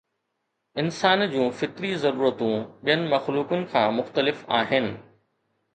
انسان جون فطري ضرورتون ٻين مخلوقن کان مختلف آهن.